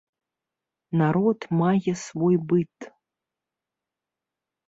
Народ мае свой быт.